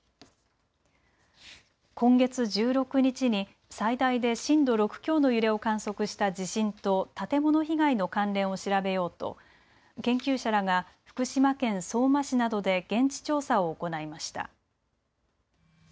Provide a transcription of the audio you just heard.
今月１６日に最大で震度６強の揺れを観測した地震と建物被害の関連を調べようと研究者らが福島県相馬市などで現地調査を行いました。